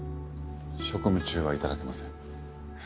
職務中は頂けません。